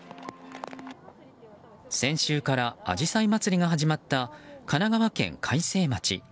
先週からあじさいまつりが始まった神奈川県開成町。